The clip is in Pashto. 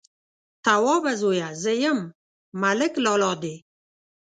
_توابه زويه! زه يم، ملک لالا دې.